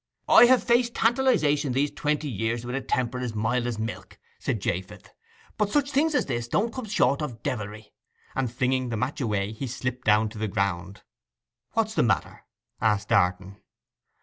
'I have faced tantalization these twenty years with a temper as mild as milk!' said Japheth; 'but such things as this don't come short of devilry!' And flinging the match away, he slipped down to the ground. 'What's the matter?' asked Darton.